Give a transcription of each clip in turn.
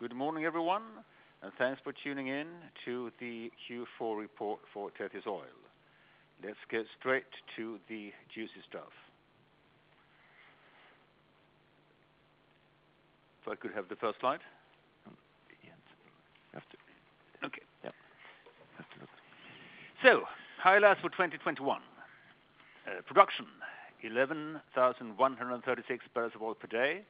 Good morning everyone, and thanks for tuning in to the Q4 report for Tethys Oil. Let's get straight to the juicy stuff. If I could have the first slide. Yes. After. Okay. Yeah. Have to look. Highlights for 2021. Production, 11,136 barrels of oil per day,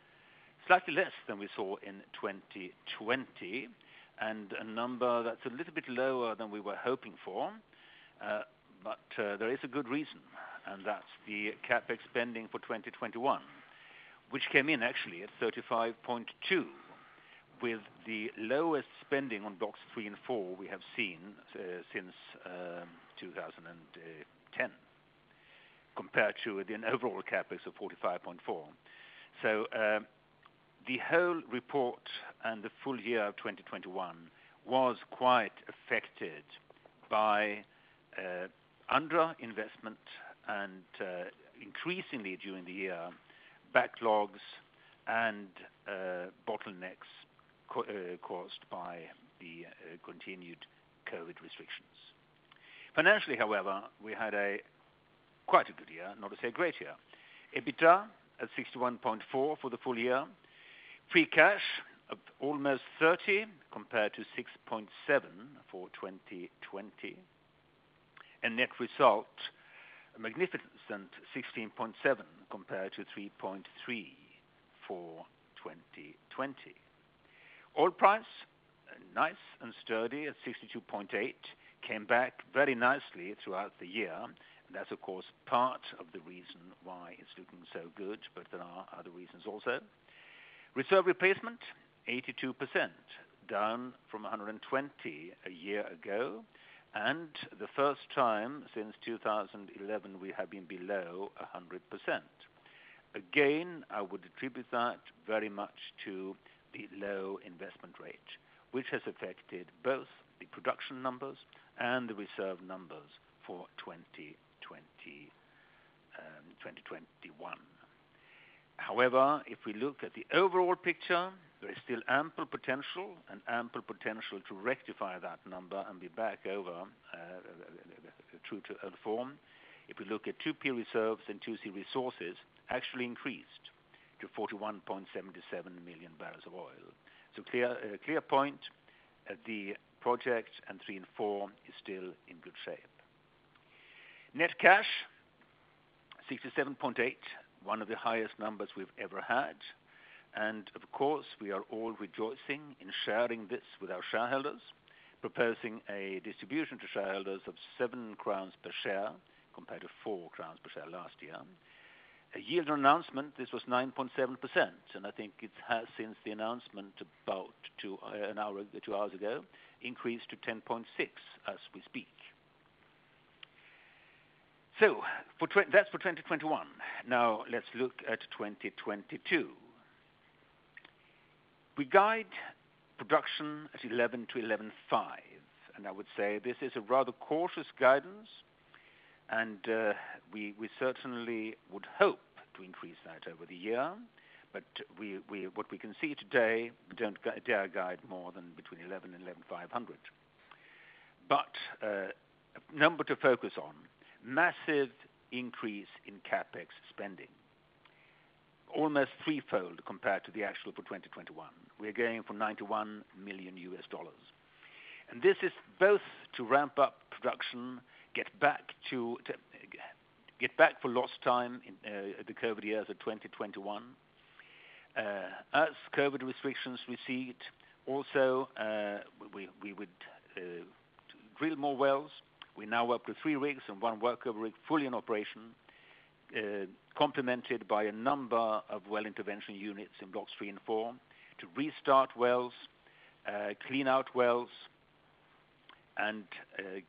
slightly less than we saw in 2020, and a number that's a little bit lower than we were hoping for. There is a good reason, and that's the CapEx spending for 2021, which came in actually at $35.2 with the lowest spending on blocks three and four we have seen since 2010, compared to an overall CapEx of $45.4. The whole report and the full year of 2021 was quite affected by under investment and increasingly during the year, backlogs and bottlenecks caused by the continued COVID-19 restrictions. Financially however, we had quite a good year, not to say great year. EBITDA at $61.4 for the full year. Free cash of almost 30 compared to $6.7 for 2020. Net result, a magnificent $16.7 compared to $3.3 for 2020. Oil price, nice and sturdy at $62.8, came back very nicely throughout the year. That's of course part of the reason why it's looking so good, but there are other reasons also. Reserve replacement 82%, down from 120% a year ago. The first time since 2011 we have been below 100%. Again, I would attribute that very much to the low investment rate, which has affected both the production numbers and the reserve numbers for 2020, 2021. However, if we look at the overall picture, there is still ample potential to rectify that number and be back over true to form. If we look at 2P reserves and 2C resources actually increased to 41.77 million barrels of oil. Clear point at the project and three and four is still in good shape. Net cash 67.8 million, one of the highest numbers we've ever had. Of course, we are all rejoicing in sharing this with our shareholders, proposing a distribution to shareholders of 7 crowns per share compared to 4 crowns per share last year. A yield announcement, this was 9.7%, and I think it has since the announcement about two hours ago, increased to 10.6% as we speak. That's for 2021. Now let's look at 2022. We guide production at 11 to 11.5, and I would say this is a rather cautious guidance, and we certainly would hope to increase that over the year. What we can see today, we don't dare guide more than between 11 and 11,500. A number to focus on, massive increase in CapEx spending. Almost threefold compared to the actual for 2021. We are going from $91 million. This is both to ramp up production, get back for lost time in the COVID years of 2021. As COVID restrictions recede also, we would drill more wells. We now work with three rigs and one workover rig fully in operation, complemented by a number of well intervention units in Blocks three and four to restart wells, clean out wells and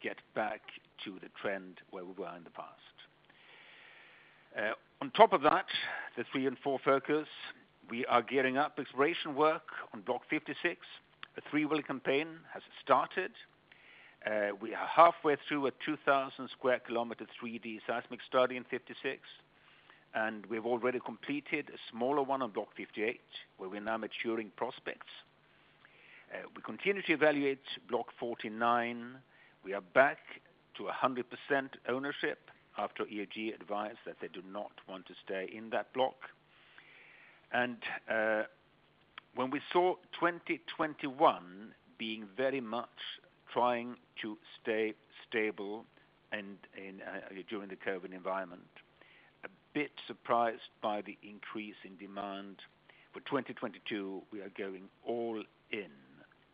get back to the trend where we were in the past. On top of that, the three and four focus, we are gearing up exploration work on Block 56. A three-well campaign has started. We are halfway through a 2,000 sq km 3D seismic study in 56, and we've already completed a smaller one on Block 58, where we're now maturing prospects. We continue to evaluate Block 49. We are back to 100% ownership after EOG advised that they do not want to stay in that block. When we saw 2021 being very much trying to stay stable and indeed during the COVID environment, a bit surprised by the increase in demand. For 2022 we are going all in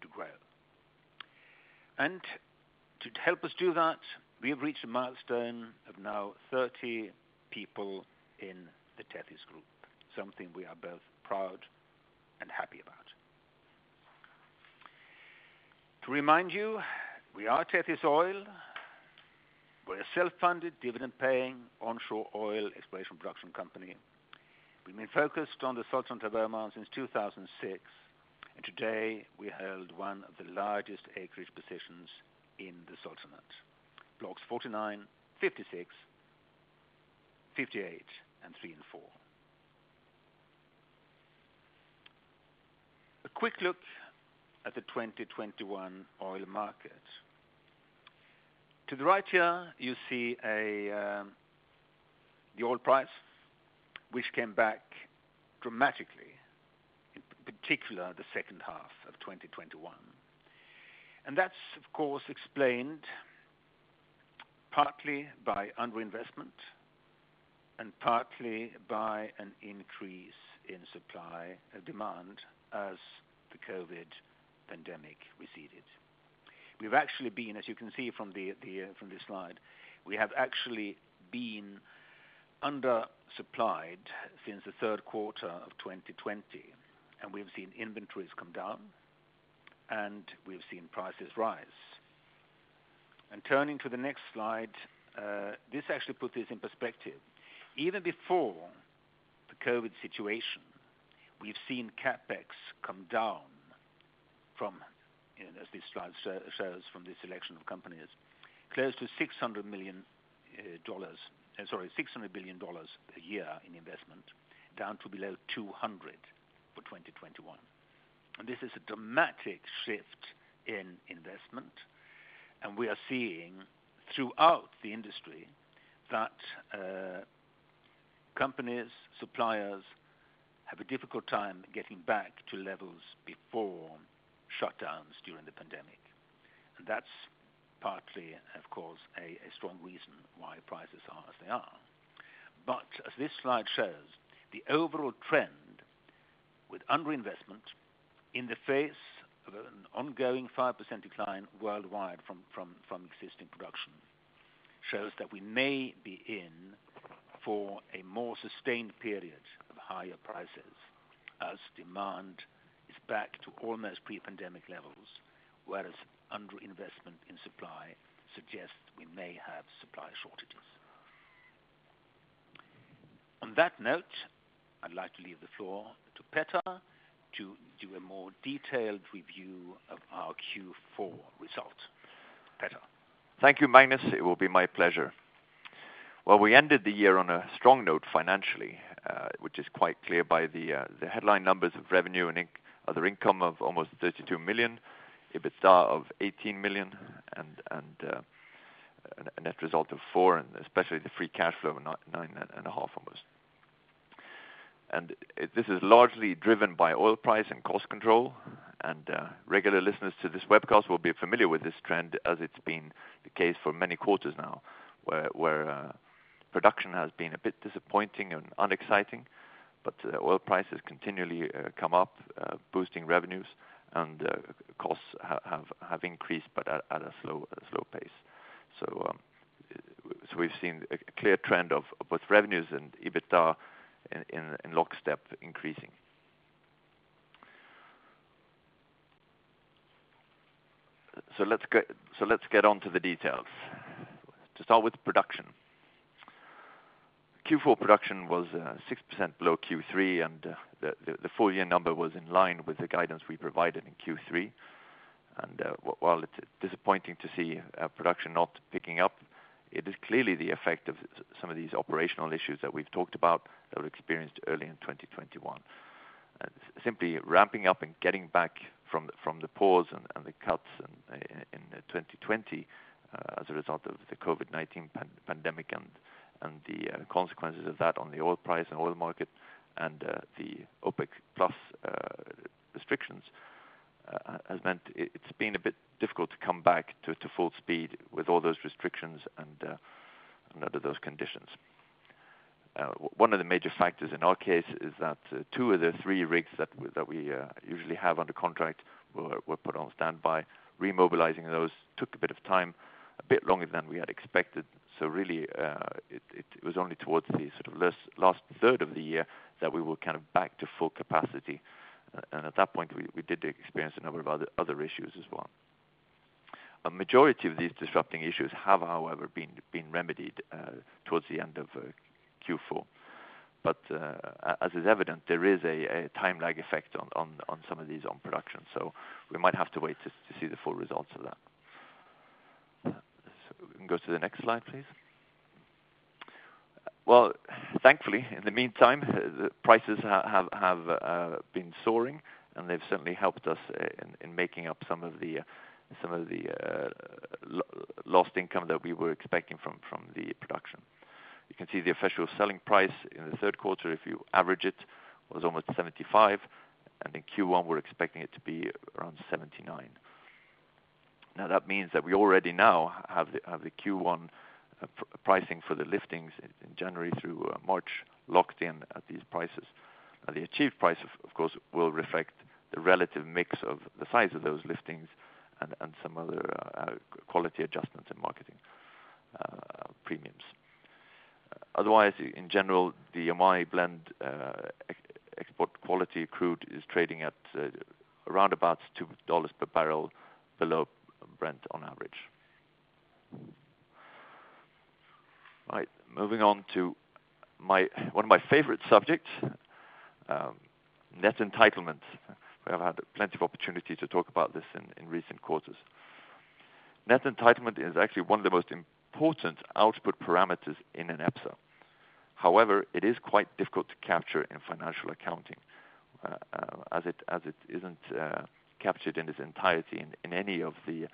to grow. To help us do that, we have reached a milestone of now 30 people in the Tethys Group, something we are both proud and happy about. To remind you, we are Tethys Oil. We're a self-funded, dividend-paying, onshore oil exploration production company. We've been focused on the Sultanate of Oman since 2006, and today we hold one of the largest acreage positions in the Sultanate, blocks 49, 56, 58 and 3 and 4. A quick look at the 2021 oil market. To the right here, you see the oil price which came back dramatically, in particular the H2 of 2021. That's, of course, explained partly by under-investment and partly by an increase in supply, demand as the COVID pandemic receded. We've actually been, as you can see from this slide, we have actually been under-supplied since the Q3 of 2020, and we've seen inventories come down, and we've seen prices rise. Turning to the next slide, this actually puts this in perspective. Even before the COVID situation, we've seen CapEx come down from, you know, as this slide shows from the selection of companies, close to $600 billion a year in investment, down to below $200 billion for 2021. This is a dramatic shift in investment, and we are seeing throughout the industry that companies, suppliers have a difficult time getting back to levels before shutdowns during the pandemic. That's partly, of course, a strong reason why prices are as they are. As this slide shows, the overall trend with under-investment in the face of an ongoing 5% decline worldwide from existing production shows that we may be in for a more sustained period of higher prices as demand is back to almost pre-pandemic levels, whereas under-investment in supply suggests we may have supply shortages. On that note, I'd like to leave the floor to Petter to do a more detailed review of our Q4 results. Petter? Thank you, Magnus. It will be my pleasure. Well, we ended the year on a strong note financially, which is quite clear by the headline numbers of revenue and other income of almost $32 million, EBITDA of $18 million and a net result of $4 million, and especially the free cash flow of almost $9.5 million. This is largely driven by oil price and cost control. Regular listeners to this webcast will be familiar with this trend as it's been the case for many quarters now, where production has been a bit disappointing and unexciting. Oil prices continually come up boosting revenues and costs have increased but at a slow pace. We've seen a clear trend of both revenues and EBITDA in lockstep increasing. Let's get on to the details. To start with production. Q4 production was 6% below Q3, and the full year number was in line with the guidance we provided in Q3. While it's disappointing to see production not picking up, it is clearly the effect of some of these operational issues that we've talked about that were experienced early in 2021. Simply ramping up and getting back from the pause and the cuts in 2020 as a result of the COVID-19 pandemic and the consequences of that on the oil price and oil market and the OPEC+ restrictions has meant it's been a bit difficult to come back to full speed with all those restrictions and under those conditions. One of the major factors in our case is that two of the three rigs that we usually have under contract were put on standby. Remobilizing those took a bit of time, a bit longer than we had expected. Really, it was only towards the sort of last third of the year that we were kind of back to full capacity. At that point, we did experience a number of other issues as well. A majority of these disrupting issues have, however, been remedied towards the end of Q4. As is evident, there is a time lag effect on some of these on production. We might have to wait to see the full results of that. We can go to the next slide, please. Well, thankfully, in the meantime, the prices have been soaring, and they've certainly helped us in making up some of the lost income that we were expecting from the production. You can see the official selling price in the Q3, if you average it, was almost 75, and in Q1, we're expecting it to be around 79. Now that means that we have the Q1 pricing for the liftings in January through March locked in at these prices. The achieved price of course will reflect the relative mix of the size of those liftings and some other quality adjustments in marketing premiums. Otherwise, in general, the Oman blend export quality crude is trading at around $2 per barrel below Brent on average. All right, moving on to my, one of my favorite subjects, net entitlement. We have had plenty of opportunity to talk about this in recent quarters. Net entitlement is actually one of the most important output parameters in an EPSA. However, it is quite difficult to capture in financial accounting, as it isn't captured in its entirety in any of the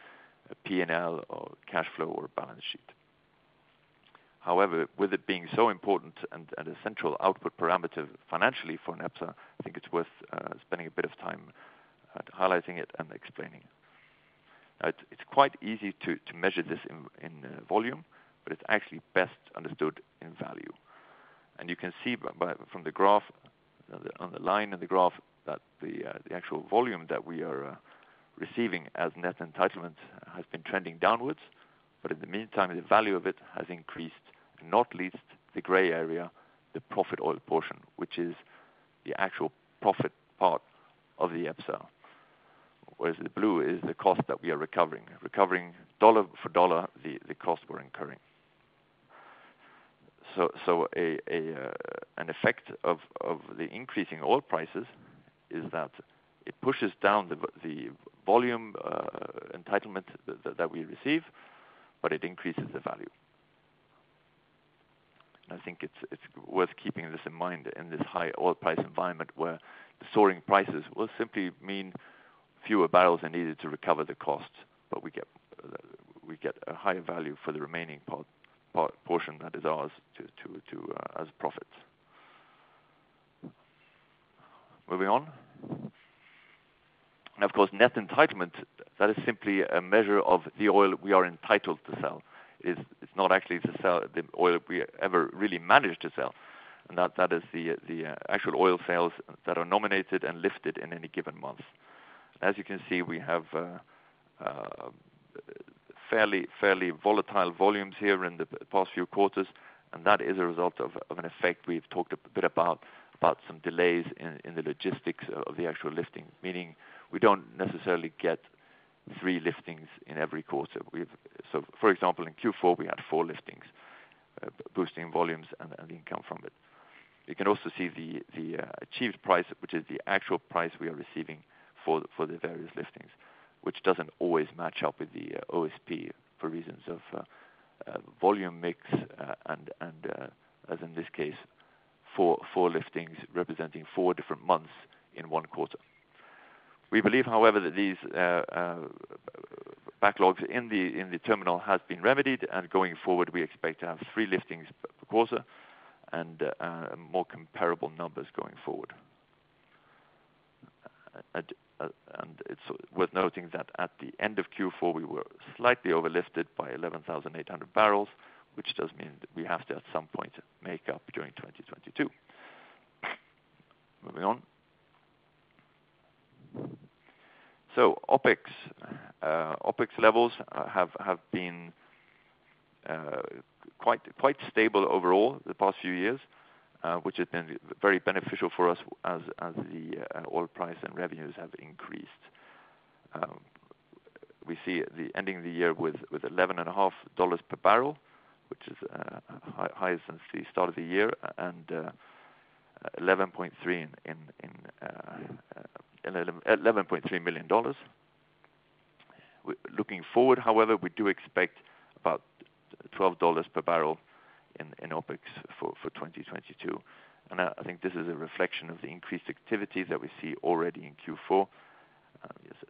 PNL or cash flow or balance sheet. However, with it being so important and a central output parameter financially for an EPSA, I think it's worth spending a bit of time highlighting it and explaining it. It's quite easy to measure this in volume, but it's actually best understood in value. You can see from the graph, on the line in the graph that the actual volume that we are receiving as net entitlement has been trending downwards. In the meantime, the value of it has increased, not least the gray area, the profit oil portion, which is the actual profit part of the EPSA. Whereas the blue is the cost that we are recovering dollar for dollar the costs we're incurring. An effect of the increasing oil prices is that it pushes down the volume entitlement that we receive, but it increases the value. I think it's worth keeping this in mind in this high oil price environment, where the soaring prices will simply mean fewer barrels are needed to recover the cost. We get a higher value for the remaining portion that is ours to as profit. Moving on. Of course, net entitlement, that is simply a measure of the oil we are entitled to sell, it's not actually the oil we ever really managed to sell. That is the actual oil sales that are nominated and lifted in any given month. As you can see, we have fairly volatile volumes here in the past few quarters, and that is a result of an effect we've talked a bit about, some delays in the logistics of the actual lifting. Meaning we don't necessarily get three liftings in every quarter. For example, in Q4, we had four liftings, boosting volumes and the income from it. You can also see the achieved price, which is the actual price we are receiving for the various listings, which doesn't always match up with the OSP for reasons of volume mix, and as in this case, four liftings representing four different months in one quarter. We believe, however, that these backlogs in the terminal has been remedied, and going forward, we expect to have three liftings per quarter and more comparable numbers going forward. It's worth noting that at the end of Q4, we were slightly overlisted by 11,800 barrels, which does mean we have to at some point make up during 2022. Moving on. OpEx levels have been quite stable overall the past few years, which has been very beneficial for us as the oil price and revenues have increased. We see the ending of the year with $11.5 per barrel, which is highest since the start of the year, and $11.3 million. Looking forward, however, we do expect about $12 per barrel in OpEx for 2022. I think this is a reflection of the increased activity that we see already in Q4.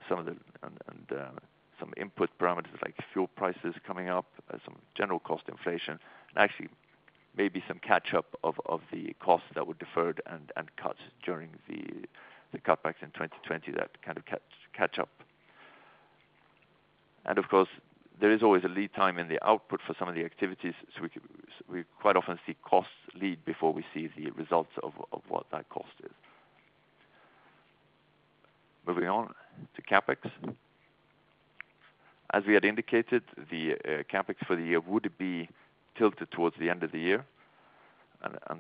Some of the... Some input parameters like fuel prices coming up, some general cost inflation, and actually maybe some catch-up of the costs that were deferred and cut during the cutbacks in 2020, that kind of catch up. Of course, there is always a lead time in the output for some of the activities, so we quite often see costs lead before we see the results of what that cost is. Moving on to CapEx. As we had indicated, the CapEx for the year would be tilted towards the end of the year.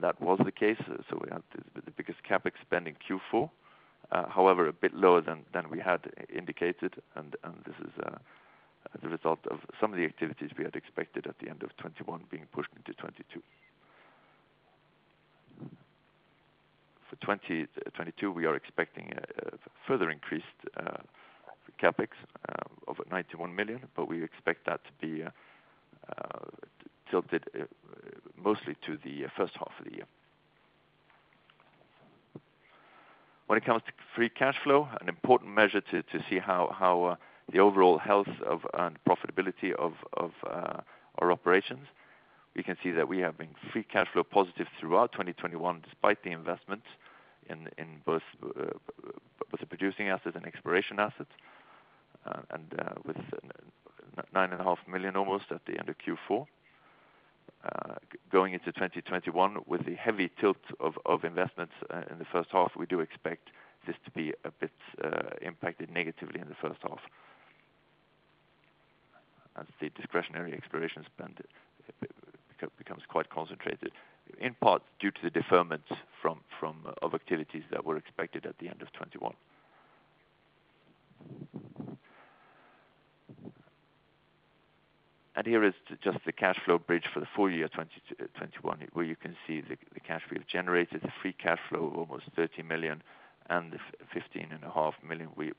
That was the case, so we had the biggest CapEx spend in Q4, however, a bit lower than we had indicated. This is the result of some of the activities we had expected at the end of 2021 being pushed into 2022. For 2022, we are expecting a further increased CapEx of $91 million. We expect that to be tilted mostly to the H1 of the year. When it comes to free cash flow, an important measure to see how the overall health of and profitability of our operations. We can see that we have been free cash flow positive throughout 2021, despite the investment in both the producing assets and exploration assets, and with $9.5 million almost at the end of Q4. Going into 2021 with the heavy tilt of investments in the H1, we do expect this to be a bit impacted negatively in the H1 as the discretionary exploration spend becomes quite concentrated, in part due to the deferment of activities that were expected at the end of 2021. Here is just the cash flow bridge for the full year 2021, where you can see the cash we have generated, the free cash flow, almost $30 million and the $15.5 million we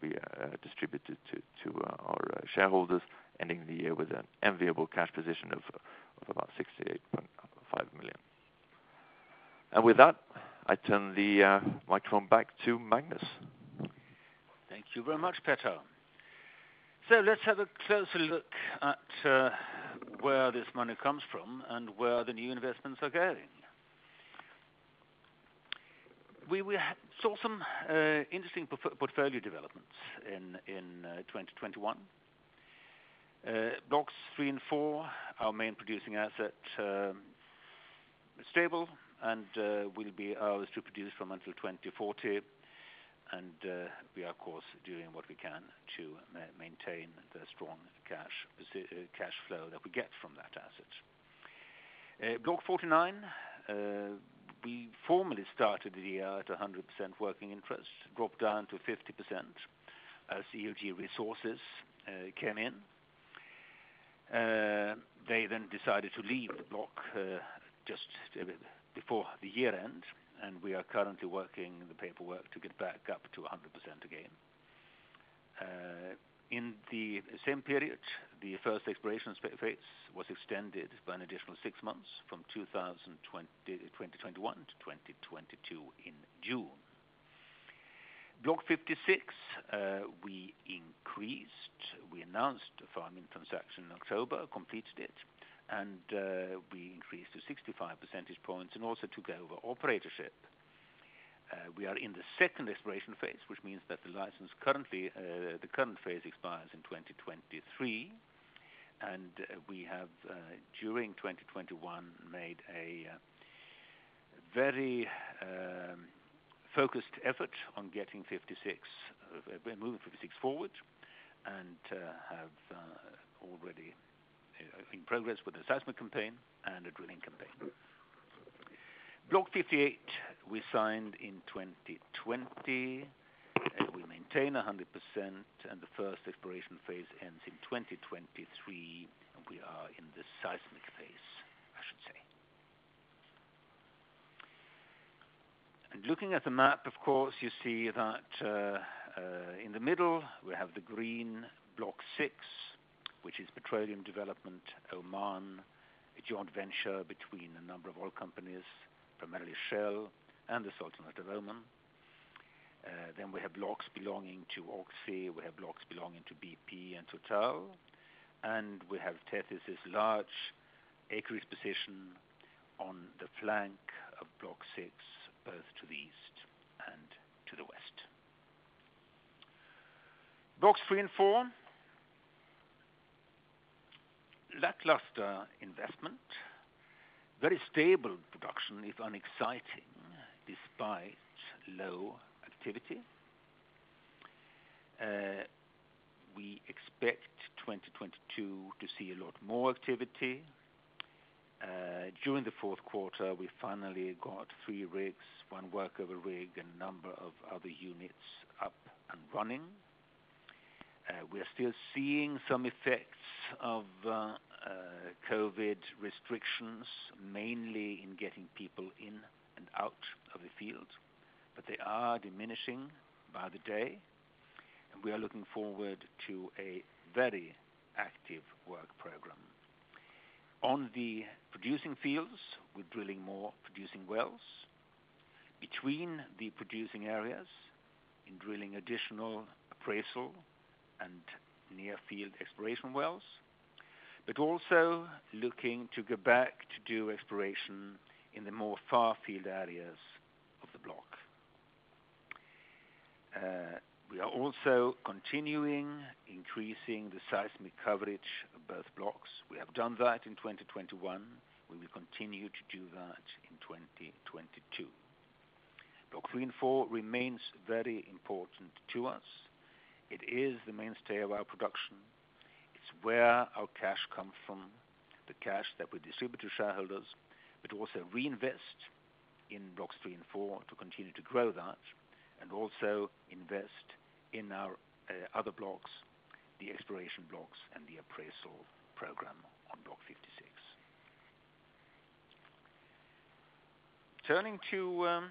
distributed to our shareholders, ending the year with an enviable cash position of about $68.5 million. With that, I turn the microphone back to Magnus. Thank you very much, Petter. Let's have a closer look at where this money comes from and where the new investments are going. We saw some interesting portfolio developments in 2021. Blocks 3 and 4, our main producing asset, were stable and will be ours to produce from until 2040. We are of course doing what we can to maintain the strong cash flow that we get from that asset. Block 49, we formally started the year at 100% working interest, dropped down to 50% as EOG Resources came in. They then decided to leave the block just a bit before the year end, and we are currently working the paperwork to get back up to 100% again. In the same period, the first exploration phase was extended by an additional six months from 2021 to 2022 in June. Block 56, we announced a farming transaction in October, completed it, and we increased to 65 percentage points and also took over operatorship. We are in the second exploration phase, which means that the license currently, the current phase expires in 2023. We have during 2021 made a very focused effort on getting 56, we're moving 56 forward and have already making progress with an assessment campaign and a drilling campaign. Block 58 we signed in 2020, and we maintain 100%, and the first exploration phase ends in 2023, and we are in the seismic phase, I should say. Looking at the map, of course, you see that, in the middle we have the green Block 6, which is Petroleum Development Oman, a joint venture between a number of oil companies, primarily Shell and the Sultanate of Oman. We have blocks belonging to OXY, we have blocks belonging to BP and Total, and we have Tethys' large acreage position on the flank of Block 6, both to the east and to the west. Blocks 3 and 4, lackluster investment, very stable production, if unexciting, despite low activity. We expect 2022 to see a lot more activity. During the Q4, we finally got 3 rigs, 1 workover rig and a number of other units up and running. We are still seeing some effects of COVID restrictions, mainly in getting people in and out of the field, but they are diminishing by the day, and we are looking forward to a very active work program. On the producing fields, we're drilling more producing wells. Between the producing areas and drilling additional appraisal and near field exploration wells, but also looking to go back to do exploration in the more far field areas of the block. We are also continuing increasing the seismic coverage of both blocks. We have done that in 2021. We will continue to do that in 2022. Block 3 and 4 remains very important to us. It is the mainstay of our production. It's where our cash comes from, the cash that we distribute to shareholders, but also reinvest in Blocks 3 and 4 to continue to grow that and also invest in our other blocks, the exploration blocks and the appraisal program on Block 56. Turning to,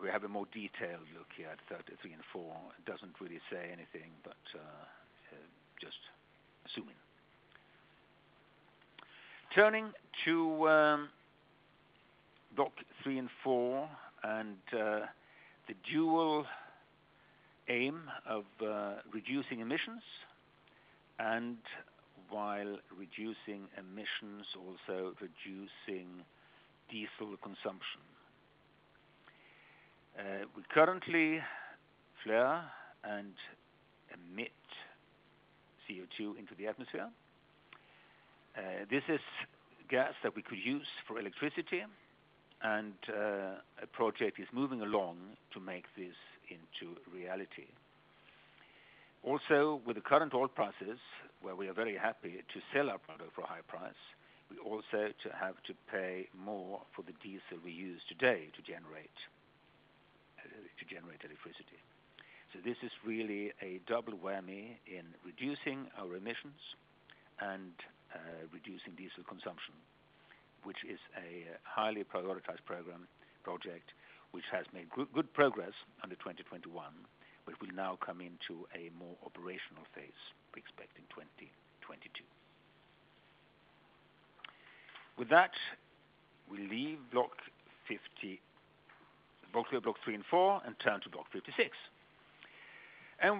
we have a more detailed look here at Blocks 3 and 4. It doesn't really say anything, but just zooming. Turning to, Blocks 3 and 4 and the dual aim of reducing emissions and while reducing emissions, also reducing diesel consumption. We currently flare and emit CO2 into the atmosphere. This is gas that we could use for electricity, and a project is moving along to make this into reality. With the current oil prices, where we are very happy to sell our product for a high price, we also have to pay more for the diesel we use today to generate electricity. This is really a double whammy in reducing our emissions and reducing diesel consumption, which is a highly prioritized program, project, which has made good progress under 2021, but will now come into a more operational phase, we expect in 2022. With that, we leave Block 56, Block 3 and 4, and turn to Block 56.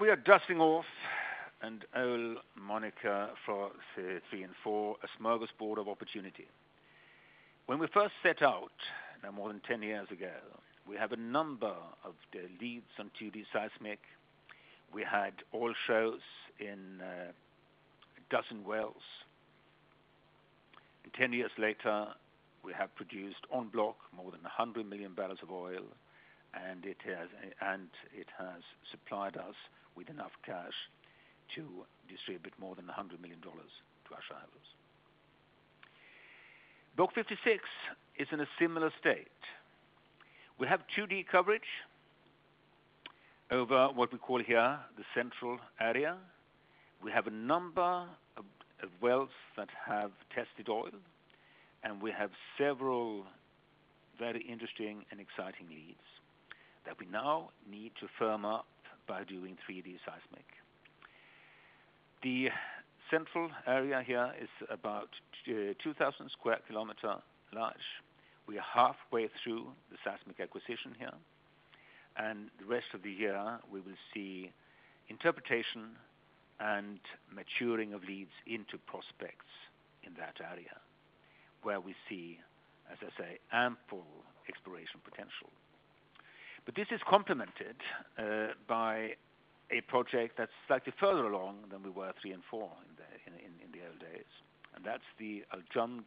We are dusting off an old moniker for 3 and 4, a smorgasbord of opportunity. When we first set out, now more than 10 years ago, we had a number of leads on 2D seismic. We had oil shows in a dozen wells. Ten years later, we have produced on block more than $100 million barrels of oil, and it has supplied us with enough cash to distribute more than $100 million to our shareholders. Block 56 is in a similar state. We have 2D coverage over what we call here the central area. We have a number of wells that have tested oil, and we have several very interesting and exciting leads that we now need to firm up by doing 3D seismic. The central area here is about 2,000 sq km large. We are halfway through the seismic acquisition here, and the rest of the year we will see interpretation and maturing of leads into prospects in that area where we see, as I say, ample exploration potential. This is complemented by a project that's slightly further along than we were at three and four in the early days, and that's the Al Jumd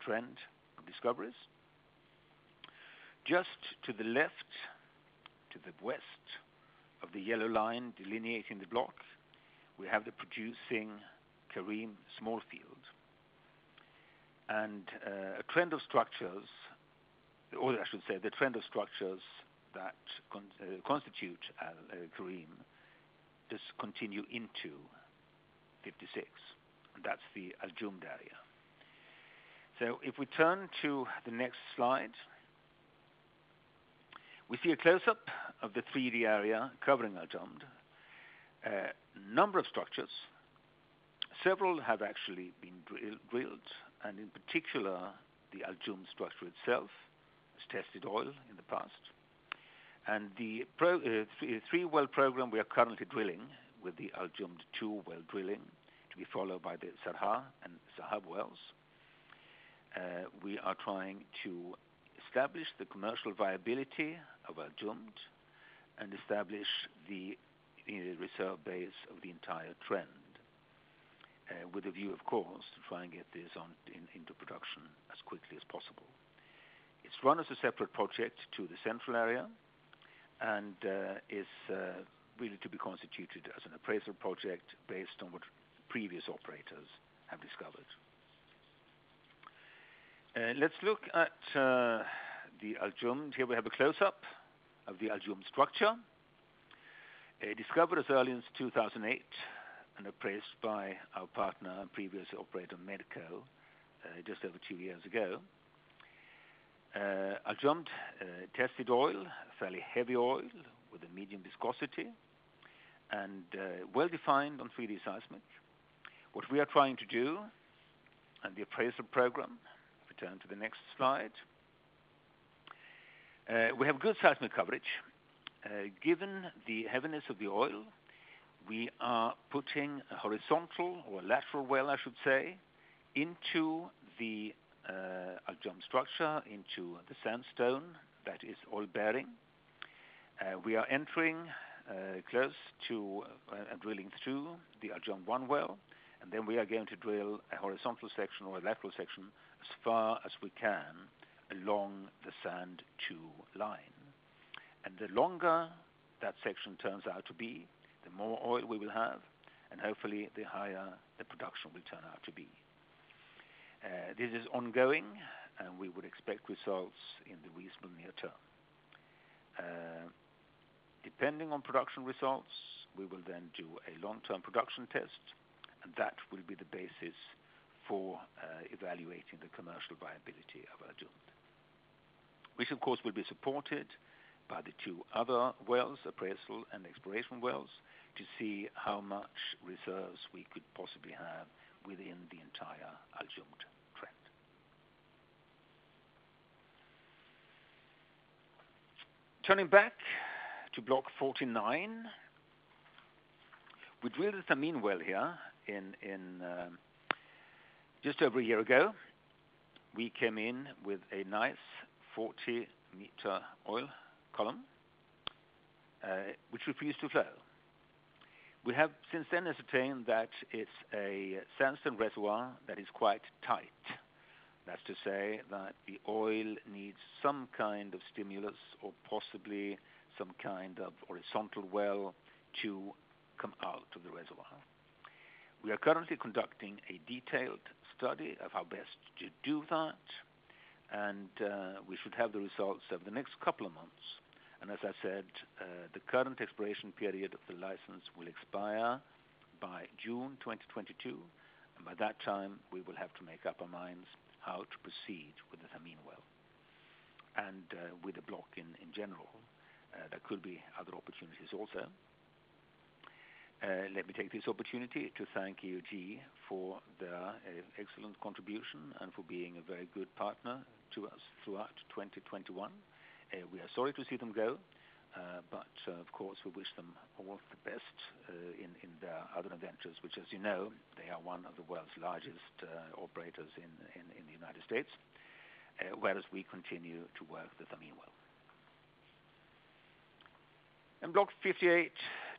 trend of discoveries. Just to the left, to the west of the yellow line delineating the block, we have the producing Karim small field. A trend of structures, or I should say the trend of structures that constitute Karim just continue into 56, and that's the Al Jumd area. If we turn to the next slide, we see a close-up of the 3D area covering Al Jumd. Number of structures. Several have actually been drilled, and in particular, the Al Jumd structure itself has tested oil in the past. The pro... Three well program we are currently drilling with the Al Jumd two well drilling to be followed by the Sarha and Sahab wells. We are trying to establish the commercial viability of Al Jumd and establish the reserve base of the entire trend, with a view of course, to try and get this into production as quickly as possible. It's run as a separate project to the central area and is really to be constituted as an appraisal project based on what previous operators have discovered. Let's look at the Al Jumd. Here we have a close up of the Al Jumd structure. Discovered as early as 2008 and appraised by our partner and previous operator Medco just over 2 years ago. Al Jumd tested oil, fairly heavy oil with a medium viscosity and well-defined on 3D seismic. What we are trying to do on the appraisal program, if we turn to the next slide. We have good seismic coverage. Given the heaviness of the oil, we are putting a horizontal or a lateral well, I should say, into the Al Jumd structure, into the sandstone that is oil-bearing. We are entering close to drilling through the Al Jumd one well, and then we are going to drill a horizontal section or a lateral section as far as we can along the sandstone line. The longer that section turns out to be, the more oil we will have, and hopefully, the higher the production will turn out to be. This is ongoing, and we would expect results in the reasonably near term. Depending on production results, we will then do a long-term production test, and that will be the basis for evaluating the commercial viability of Al Jumd, which of course will be supported by the two other wells, appraisal and exploration wells, to see how much reserves we could possibly have within the entire Al Jumd trend. Turning back to Block 49. We drilled the Thameen well here in just over a year ago. We came in with a nice 40-meter oil column, which refused to flow. We have since then ascertained that it's a sandstone reservoir that is quite tight. That's to say that the oil needs some kind of stimulus or possibly some kind of horizontal well to come out of the reservoir. We are currently conducting a detailed study of how best to do that, and we should have the results over the next couple of months. As I said, the current expiration period of the license will expire by June 2022. By that time, we will have to make up our minds how to proceed with the Thameen well and with the block in general. There could be other opportunities also. Let me take this opportunity to thank EOG for their excellent contribution and for being a very good partner to us throughout 2021. We are sorry to see them go, but of course, we wish them all the best, in their other ventures, which as you know, they are one of the world's largest operators in the United States, whereas we continue to work the Thameen well. In Block 58,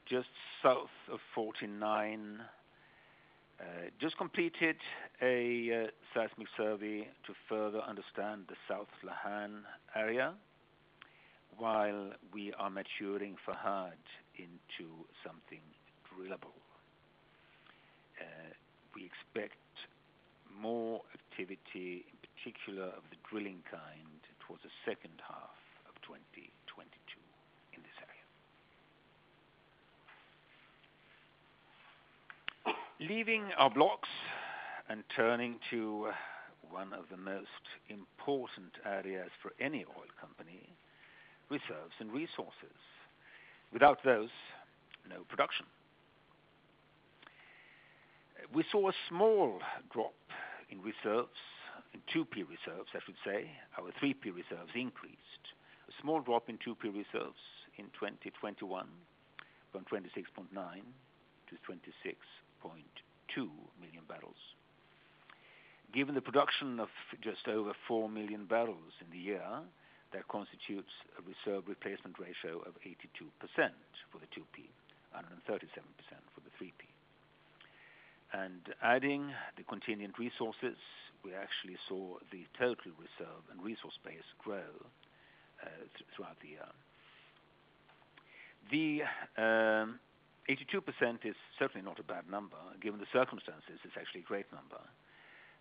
just south of 49, just completed a seismic survey to further understand the South Lahan area, while we are maturing Farha into something drillable. We expect more activity, in particular of the drilling kind, towards the H2 of 2022 in this area. Leaving our blocks and turning to one of the most important areas for any oil company, reserves and resources. Without those, no production. We saw a small drop in reserves, in 2P reserves, I should say. Our 3P reserves increased. A small drop in 2P reserves in 2021, from 26.9 to 26.2 million barrels. Given the production of just over 4 million barrels in the year, that constitutes a reserve replacement ratio of 82% for the 2P, and 37% for the 3P. Adding the contingent resources, we actually saw the total reserve and resource base grow throughout the year. The 82% is certainly not a bad number. Given the circumstances, it's actually a great number.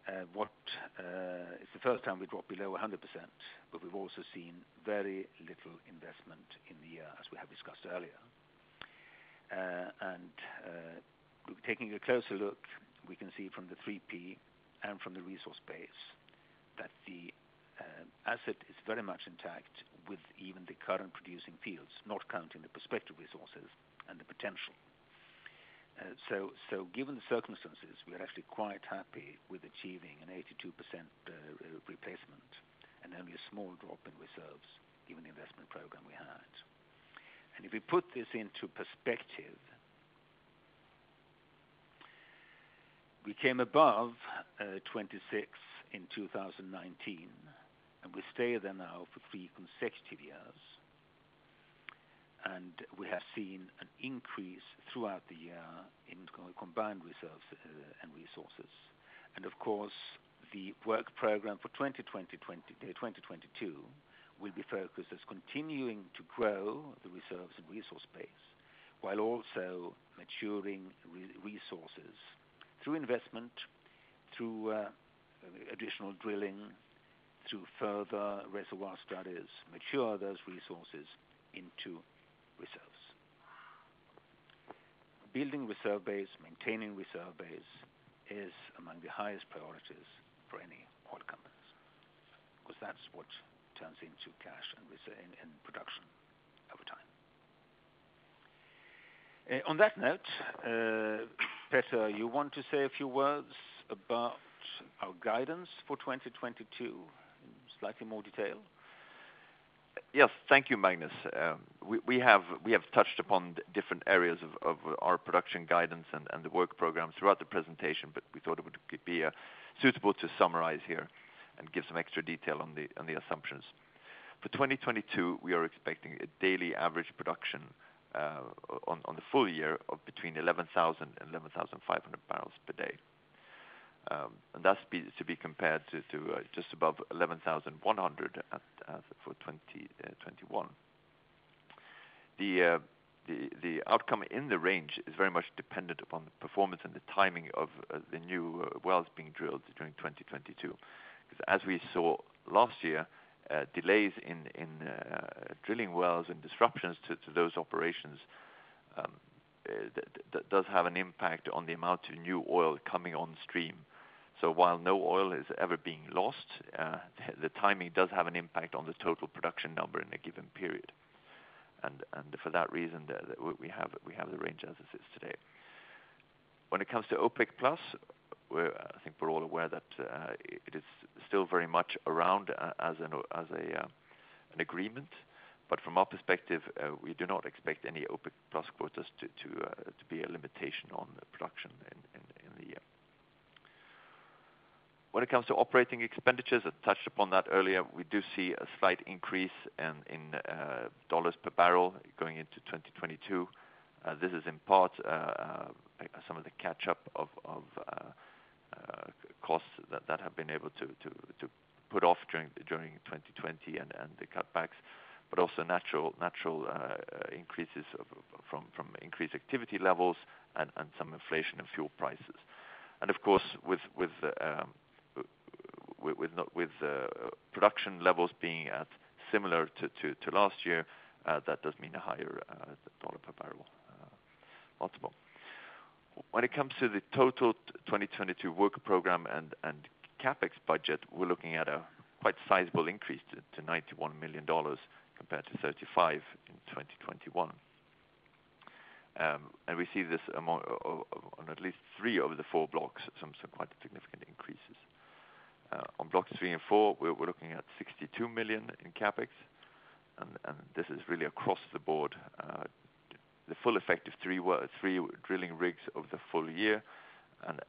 It's the first time we dropped below 100%, but we've also seen very little investment in the year, as we have discussed earlier. Taking a closer look, we can see from the 3P and from the resource base that the asset is very much intact with even the current producing fields, not counting the prospective resources and the potential. Given the circumstances, we are actually quite happy with achieving an 82% replacement and only a small drop in reserves, given the investment program we had. If we put this into perspective, we came above 26 in 2019, and we stay there now for three consecutive years. We have seen an increase throughout the year in combined reserves and resources. Of course, the work program for 2022 will be focused on continuing to grow the reserves and resource base, while also maturing resources through investment, through additional drilling, through further reservoir studies, mature those resources into reserves. Building reserve base, maintaining reserve base is among the highest priorities for any oil companies, because that's what turns into cash and reserves in production over time. On that note, Petter, you want to say a few words about our guidance for 2022 in slightly more detail? Yes. Thank you, Magnus. We have touched upon different areas of our production guidance and the work program throughout the presentation, but we thought it would be suitable to summarize here and give some extra detail on the assumptions. For 2022, we are expecting a daily average production on the full year of between 11,000 and 11,500 barrels per day. And that's to be compared to just above 11,100 in 2021. The outcome in the range is very much dependent upon the performance and the timing of the new wells being drilled during 2022. 'Cause as we saw last year, delays in drilling wells and disruptions to those operations, that does have an impact on the amount of new oil coming on stream. While no oil is ever being lost, the timing does have an impact on the total production number in a given period. For that reason, we have the range as it is today. When it comes to OPEC+, I think we're all aware that it is still very much around as an agreement. From our perspective, we do not expect any OPEC+ quotas to be a limitation on the production in the year. When it comes to operating expenditures, I touched upon that earlier. We do see a slight increase in dollars per barrel going into 2022. This is in part some of the catch up of costs that have been able to put off during 2020 and the cutbacks, but also natural increases from increased activity levels and some inflation in fuel prices. Of course, with production levels being at similar to last year, that does mean a higher dollar per barrel multiple. When it comes to the total 2022 work program and CapEx budget, we're looking at a quite sizable increase to $91 million compared to $35 million in 2021. We see this on at least three of the four blocks, some quite significant increases. On Block 3 and 4, we're looking at $62 million in CapEx, and this is really across the board, the full effect of three drilling rigs for the full year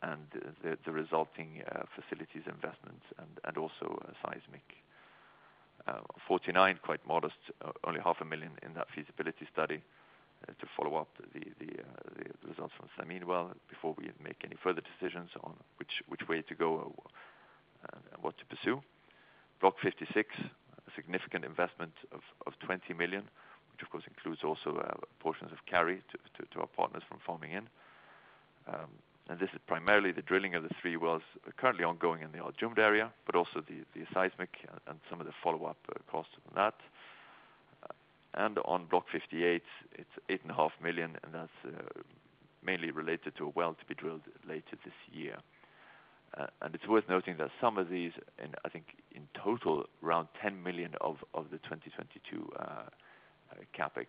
and the resulting facilities investments and also seismic. Block 49, quite modest, only half a million in that feasibility study to follow up the results from Thameen well before we make any further decisions on which way to go and what to pursue. Block 56, a significant investment of $20 million, which of course includes also portions of carry to our partners from Oman. This is primarily the drilling of the three wells currently ongoing in the Al Jumd area, but also the seismic and some of the follow-up costs from that. On Block 58, it's $8.5 million, and that's mainly related to a well to be drilled later this year. It's worth noting that some of these, and I think in total, around $10 million of the 2022 CapEx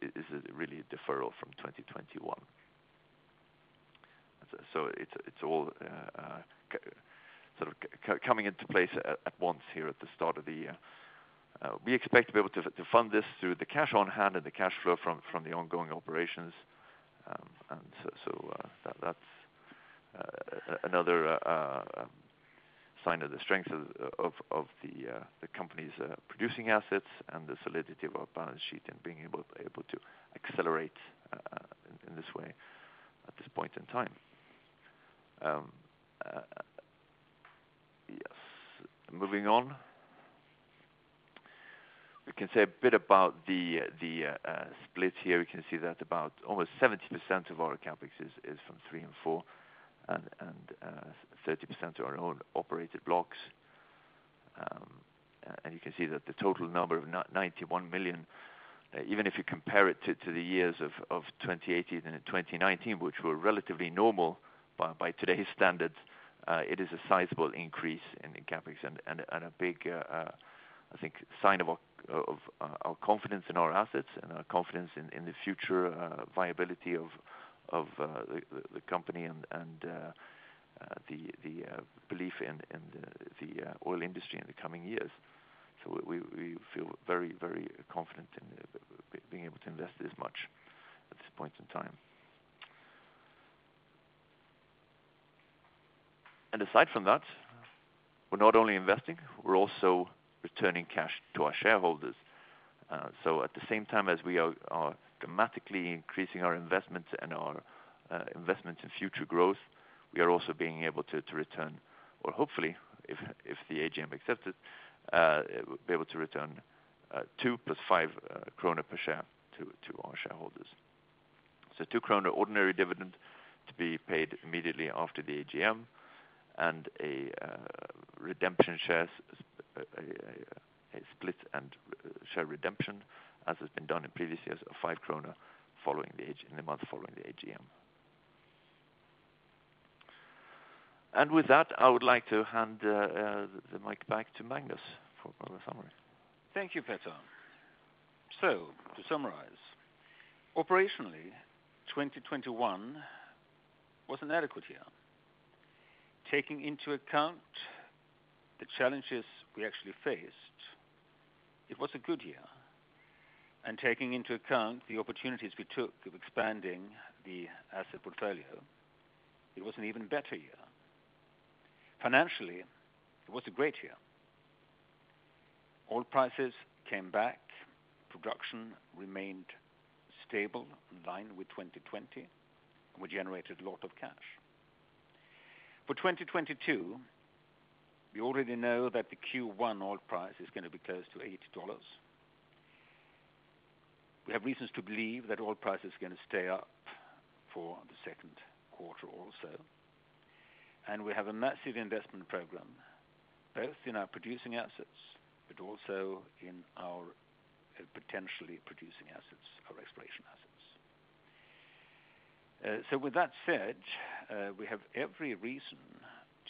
is really a deferral from 2021. It's all kind of coming into place at once here at the start of the year. We expect to be able to fund this through the cash on hand and the cash flow from the ongoing operations. That's another sign of the strength of the company's producing assets and the solidity of our balance sheet and being able to accelerate in this way at this point in time. Yes. Moving on. We can say a bit about the split here. We can see that about almost 70% of our CapEx is from three and four and 30% to our own operated blocks. You can see that the total number of $91 million, even if you compare it to the years of 2018 and 2019, which were relatively normal by today's standards, it is a sizable increase in the CapEx and a big I think sign of our confidence in our assets and our confidence in the future viability of the company and the belief in the oil industry in the coming years. We feel very, very confident in being able to invest this much at this point in time. Aside from that, we're not only investing, we're also returning cash to our shareholders. At the same time as we are dramatically increasing our investment and our investment in future growth, we are also being able to return or hopefully, if the AGM accepts it, be able to return 2 + 5 krona per share to our shareholders. Two krona ordinary dividend to be paid immediately after the AGM and a redemption shares, a split and share redemption, as has been done in previous years, of 5 krona in the month following the AGM. With that, I would like to hand the mic back to Magnus for further summary. Thank you, Petter. To summarize, operationally, 2021 was an adequate year. Taking into account the challenges we actually faced, it was a good year. Taking into account the opportunities we took of expanding the asset portfolio, it was an even better year. Financially, it was a great year. Oil prices came back, production remained stable in line with 2020, and we generated a lot of cash. For 2022, we already know that the Q1 oil price is gonna be close to $80. We have reasons to believe that oil price is gonna stay up for the Q2 also. We have a massive investment program, both in our producing assets, but also in our potentially producing assets or exploration assets. With that said, we have every reason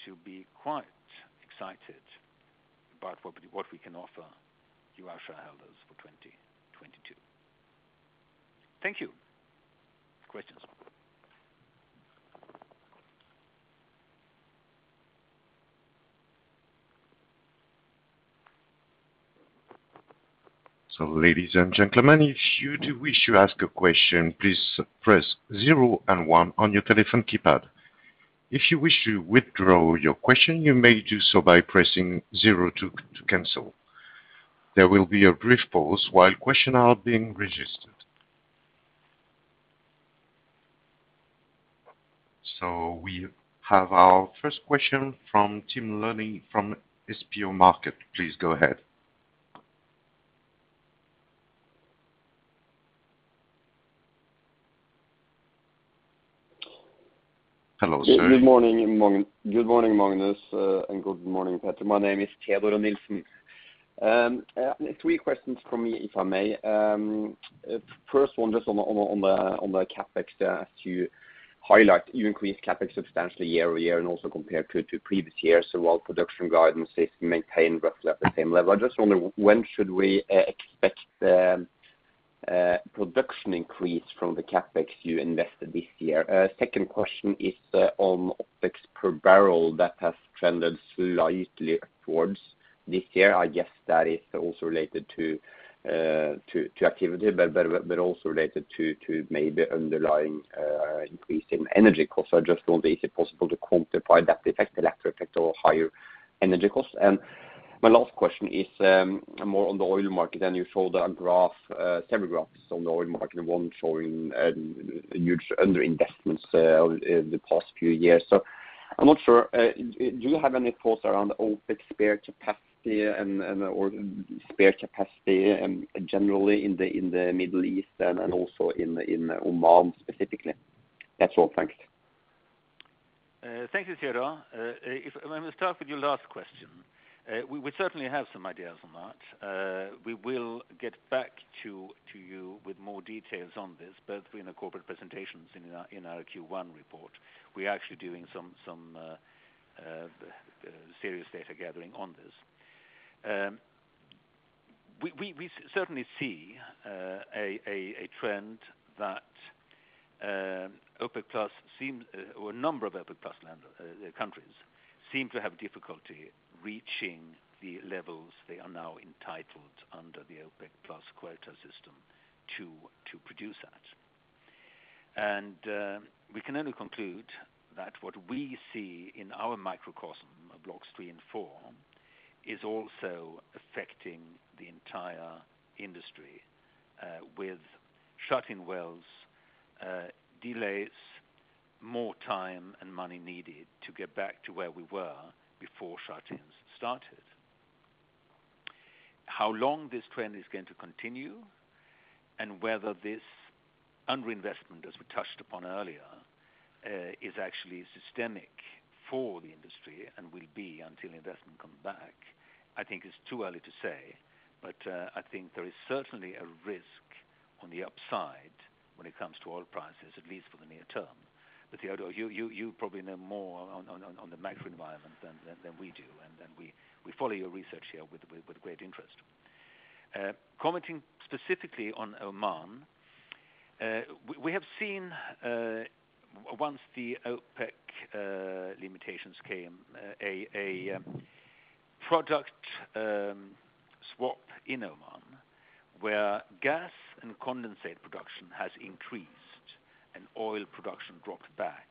to be quite excited about what we can offer you, our shareholders, for 2022. Thank you. Questions. Ladies and gentlemen, if you do wish to ask a question, please press zero and one on your telephone keypad. If you wish to withdraw your question, you may do so by pressing zero to cancel. There will be a brief pause while questions are being registered. We have our first question from Teodor Sveen-Nilsen from SpareBank 1 Markets. Please go ahead. Hello, sir. Good morning, Magnus, and good morning, Petter. My name is Teodor Sveen-Nilsen. Three questions from me, if I may. First one just on the CapEx, as you highlight, you increased CapEx substantially year-over-year and also compared to previous years. While production guidance is maintained roughly at the same level. I just wonder when should we expect the production increase from the CapEx you invested this year? Second question is on OpEx per barrel that has trended slightly upwards this year. I guess that is also related to activity, but also related to maybe underlying increase in energy costs. So I just wonder, is it possible to quantify that effect, the latter effect or higher energy costs? My last question is more on the oil market. You showed a graph, several graphs on the oil market, one showing huge underinvestment in the past few years. I'm not sure, do you have any thoughts around OPEC spare capacity and/or spare capacity generally in the Middle East and also in Oman specifically? That's all. Thanks. Thank you, Teodor. I'm gonna start with your last question. We certainly have some ideas on that. We will get back to you with more details on this, both in the corporate presentations in our Q1 report. We're actually doing some serious data gathering on this. We certainly see a trend that OPEC+ or a number of OPEC+ land countries seem to have difficulty reaching the levels they are now entitled under the OPEC+ quota system to produce at. We can only conclude that what we see in our microcosm of blocks 3 and 4 is also affecting the entire industry with shut-in wells, delays, more time and money needed to get back to where we were before shut-ins started. How long this trend is going to continue and whether this underinvestment, as we touched upon earlier, is actually systemic for the industry and will be until investment comes back, I think is too early to say. I think there is certainly a risk on the upside when it comes to oil prices, at least for the near term. Teodor, you probably know more on the macro environment than we do. We follow your research here with great interest. Commenting specifically on Oman, we have seen, once the OPEC limitations came, a product swap in Oman where gas and condensate production has increased and oil production dropped back.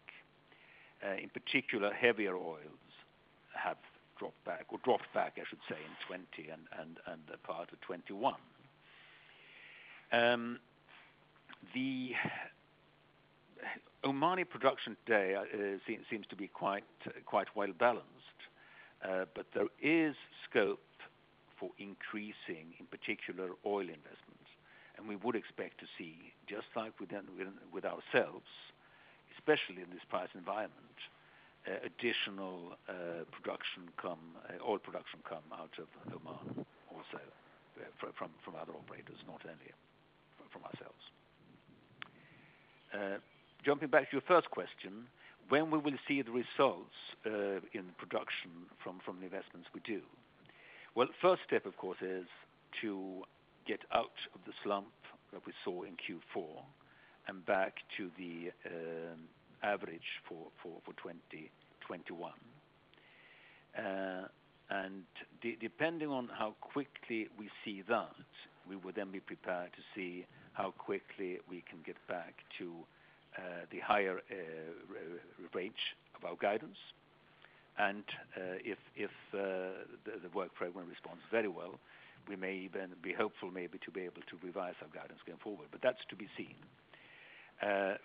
In particular, heavier oils have dropped back, I should say, in 2020 and a part of 2021. The Omani production today seems to be quite well balanced. There is scope for increasing, in particular, oil investments. We would expect to see, just like with ourselves, especially in this price environment, additional oil production come out of Oman also from other operators, not only from ourselves. Jumping back to your first question, when we will see the results in production from the investments we do. Well, first step, of course, is to get out of the slump that we saw in Q4 and back to the average for 2021. Depending on how quickly we see that, we would then be prepared to see how quickly we can get back to the higher range of our guidance. If the work program responds very well, we may even be hopeful maybe to be able to revise our guidance going forward. That's to be seen.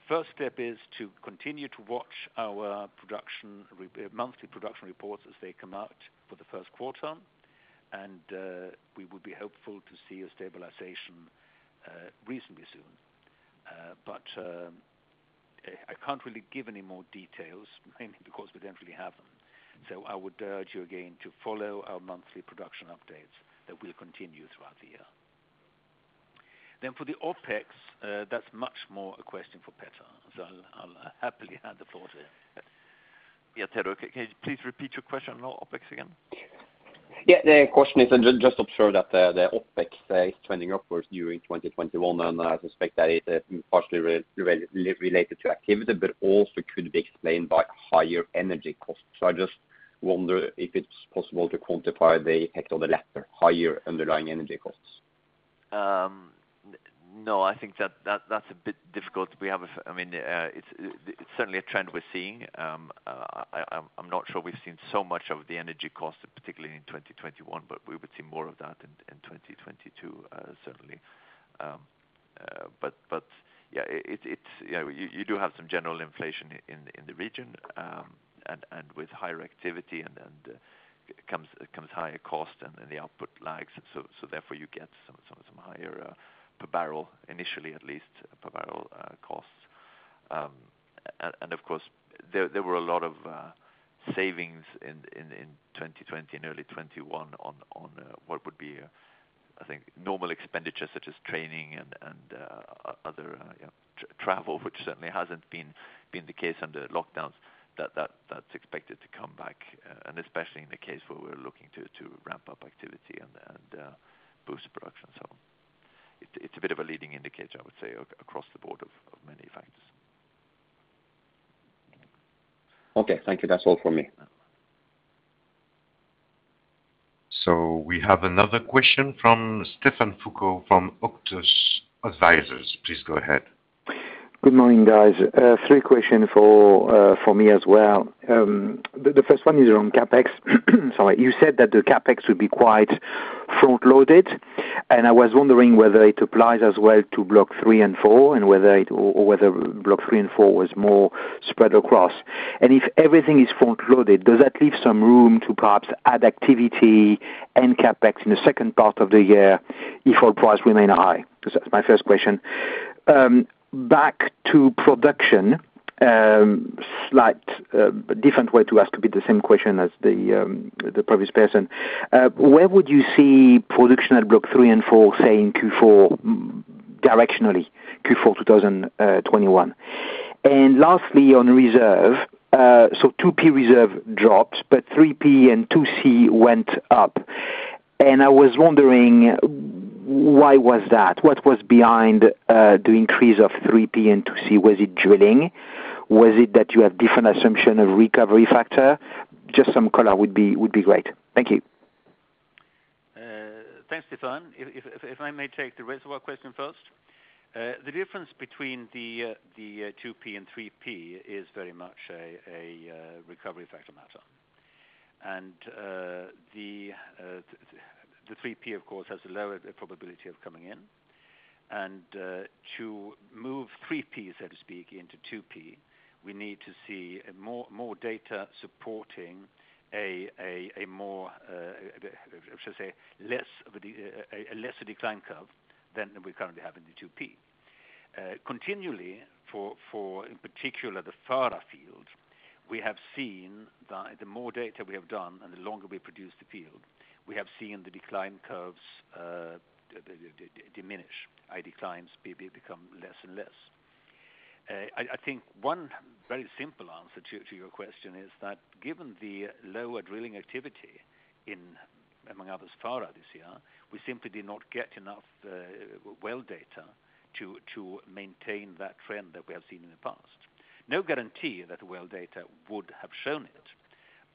First step is to continue to watch our monthly production reports as they come out for the Q1. We would be hopeful to see a stabilization reasonably soon. I can't really give any more details, mainly because we don't really have them. I would urge you again to follow our monthly production updates that will continue throughout the year. For the OpEx, that's much more a question for Petter. I'll happily hand the floor to you, Petter. Yeah, Teodor, can you please repeat your question on OpEx again? Yeah. The question is just observe that the OpEx is trending upwards during 2021, and I suspect that is partially related to activity, but also could be explained by higher energy costs. I just wonder if it's possible to quantify the effect of the latter, higher underlying energy costs. No, I think that's a bit difficult. I mean, it's certainly a trend we're seeing. I'm not sure we've seen so much of the energy costs, particularly in 2021, but we would see more of that in 2022, certainly. Yeah, you do have some general inflation in the region, and with higher activity comes higher cost and the output lags, so therefore you get some higher per barrel initially, at least per barrel, costs. Of course there were a lot of savings in 2020 and early 2021 on what would be, I think, normal expenditures such as training and other, you know, travel, which certainly hasn't been the case under lockdowns. That's expected to come back, and especially in the case where we're looking to ramp up activity and boost production. It's a bit of a leading indicator, I would say, across the board of many factors. Okay, thank you. That's all for me. We have another question from Stephane Foucaud from Auctus Advisors. Please go ahead. Good morning, guys. Three questions for me as well. The first one is around CapEx. Sorry. You said that the CapEx would be quite front loaded, and I was wondering whether it applies as well to Block three and four, and whether Block three and four was more spread across. If everything is front loaded, does that leave some room to perhaps add activity and CapEx in the second part of the year if oil price remain high? That's my first question. Back to production, slight different way to ask a bit the same question as the previous person. Where would you see production at Block three and four, say, directionally, in Q4 2021? Lastly, on reserve, so 2P reserve dropped, but 3P and 2C went up. I was wondering why was that? What was behind the increase of 3P and 2C? Was it drilling? Was it that you have different assumption of recovery factor? Just some color would be great. Thank you. Thanks, Stephane. If I may take the reservoir question first. The difference between the 2P and 3P is very much a recovery factor matter. The 3P of course has a lower probability of coming in. To move 3P, so to speak, into 2P, we need to see more data supporting a lesser decline curve than we currently have in the 2P. Continually, in particular for the Farha field, we have seen the more data we have done and the longer we produce the field, the decline curves diminish. The declines become less and less. I think one very simple answer to your question is that given the lower drilling activity in, among others, Farha this year, we simply did not get enough well data to maintain that trend that we have seen in the past. No guarantee that well data would have shown it,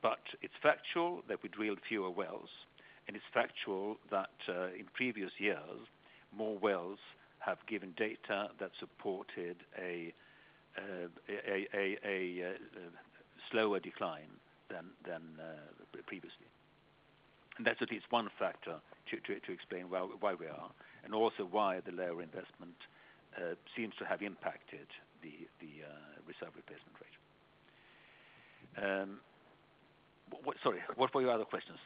but it's factual that we drilled fewer wells, and it's factual that in previous years, more wells have given data that supported a slower decline than previously. That's at least one factor to explain why we are and also why the lower investment seems to have impacted the reserve replacement rate. What, sorry, what were your other questions?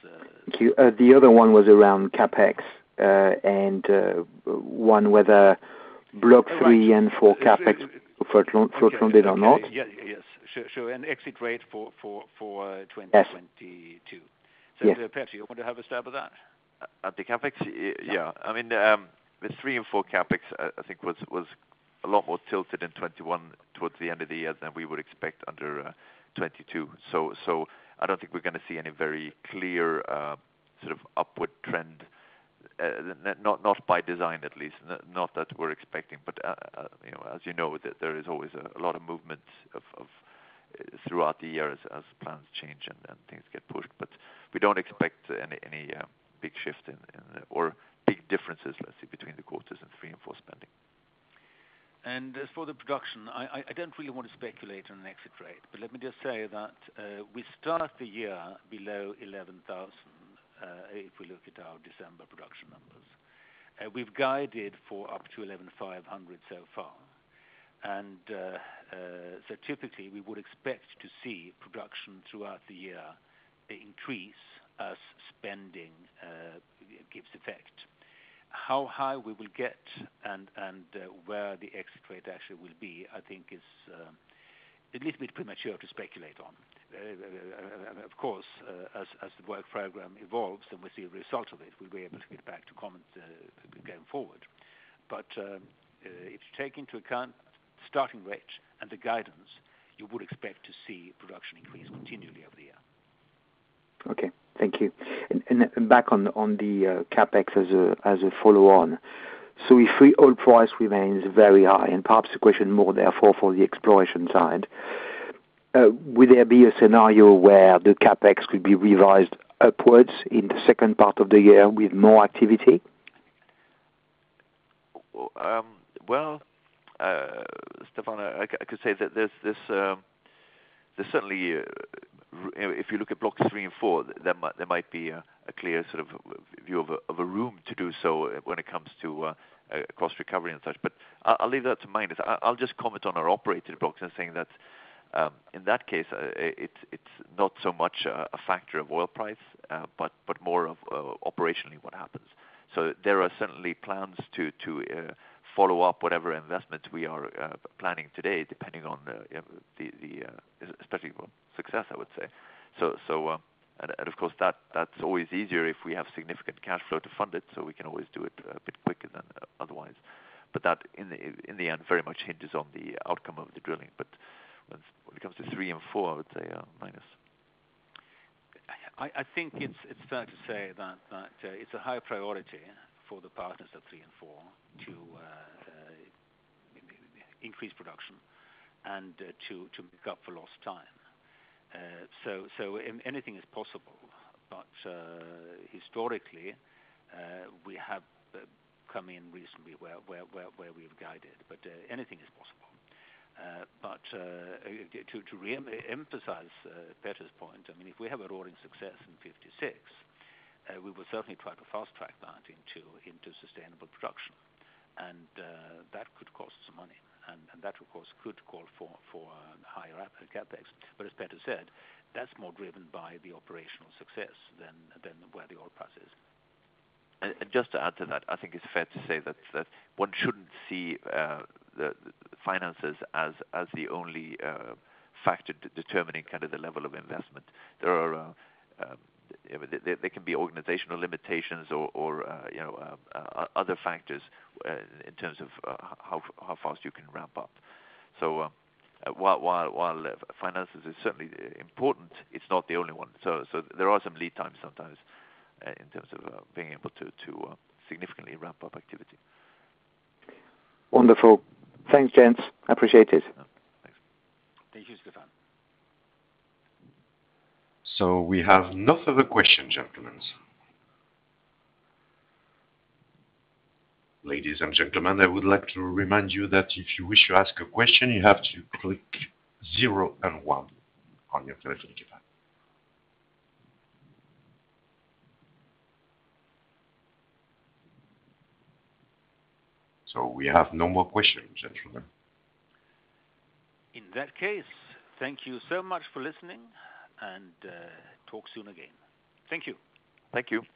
Thank you. The other one was around CapEx, and one whether Block 3 and 4 CapEx front loaded or not. Yeah. Yes. Sure, sure. Exit rate for 2022. Yes. Petter Hjertstedt, you want to have a stab at that? At the CapEx? Yeah. I mean, the three and four CapEx I think was a lot more tilted in 2021 towards the end of the year than we would expect under 2022. I don't think we're gonna see any very clear sort of upward trend, not by design at least, not that we're expecting. You know, as you know, there is always a lot of movement throughout the year as plans change and things get pushed. We don't expect any big shift in or big differences, let's say, between the quarters three and four spending. As for the production, I don't really wanna speculate on an exit rate, but let me just say that we start the year below 11,000 if we look at our December production numbers. We've guided for up to 11,500 so far. Typically we would expect to see production throughout the year increase as spending gives effect. How high we will get and where the exit rate actually will be, I think is a little bit premature to speculate on. Of course, as the work program evolves and we see a result of it, we'll be able to get back to comment going forward. If you take into account starting rates and the guidance, you would expect to see production increase continually over the year. Okay. Thank you. Back on the CapEx as a follow on. If oil price remains very high, and perhaps the question more therefore for the exploration side, would there be a scenario where the CapEx could be revised upwards in the second part of the year with more activity? Well, Stephane, I could say that there's certainly, if you look at Blocks 3 and 4, there might be a clear sort of view of a room to do so when it comes to cost recovery and such. But I'll leave that to Magnus. I'll just comment on our operated blocks and saying that in that case it's not so much a factor of oil price but more of operationally what happens. There are certainly plans to follow up whatever investments we are planning today, depending on the, especially, success, I would say. Of course that's always easier if we have significant cash flow to fund it, so we can always do it a bit quicker than otherwise. That in the end very much hinges on the outcome of the drilling. When it comes to three and four, I would say, Magnus. I think it's fair to say that it's a high priority for the partners of three and four to increase production and to make up for lost time. Anything is possible. Historically, we have come in recently where we've guided, but anything is possible. To re-emphasize Petter's point, I mean, if we have a rolling success in 56, we will certainly try to fast-track that into sustainable production. That could cost some money. That, of course, could call for higher output CapEx. As Petter said, that's more driven by the operational success than where the oil price is. Just to add to that, I think it's fair to say that one shouldn't see the finances as the only factor determining kind of the level of investment. There can be organizational limitations or you know other factors in terms of how fast you can ramp up. While finances is certainly important, it's not the only one. There are some lead times sometimes in terms of being able to significantly ramp up activity. Wonderful. Thanks, gents. I appreciate it. Thanks. Thank you, Stephane. We have no further questions, gentlemen. Ladies and gentlemen, I would like to remind you that if you wish to ask a question, you have to click 0 and 1 on your telephone keypad. We have no more questions, gentlemen. In that case, thank you so much for listening and talk soon again. Thank you. Thank you.